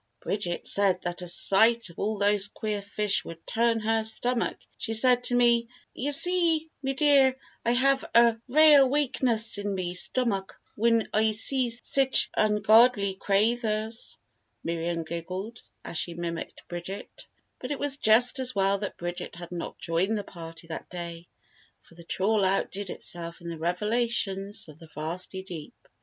"Bridget said that a sight of all those queer fish would turn her stomach she said to me, 'Ye see, me dear, I hev a rale wakeness in me stomack whin I see sich ungodly craythers.'" Miriam giggled as she mimicked Bridget. But it was just as well that Bridget had not joined the party that day for the trawl outdid itself in the revelations of the vasty deep.